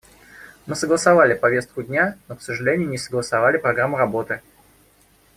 Мы согласовали повестку дня, но, к сожалению, не согласовали программу работы.